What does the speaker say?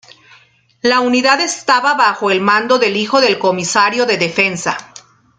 La unidad estaba bajo el mando del hijo del Comisario de Defensa.